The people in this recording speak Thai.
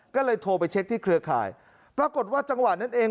ก็เลยโทรไปเช็คที่เครือข่ายปรากฏว่าจังหวะนั้นเอง